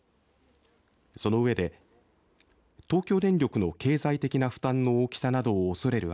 その上で、東京電力の経済的な負担の大きさなどを恐れる